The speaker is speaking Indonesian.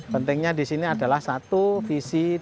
pentingnya di sini adalah satu visi satu visi yang sangat penting